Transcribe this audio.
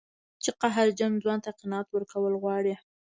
چې قهرجن ځوان ته قناعت ورکول غواړي.